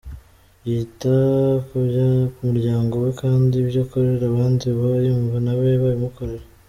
Yita ku muryango we kandi ibyo akorera abandi aba yumva nawe babimukorera.